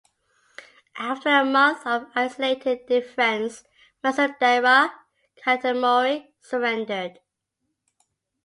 After a month of isolated defence, Matsudaira Katamori surrendered.